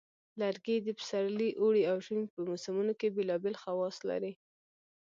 لرګي د پسرلي، اوړي، او ژمي په موسمونو کې بیلابیل خواص لري.